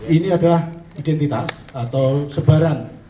ini adalah identitas atau sebaran